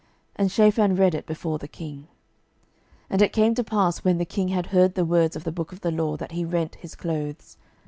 And Shaphan read it before the king. 12:022:011 And it came to pass, when the king had heard the words of the book of the law, that he rent his clothes.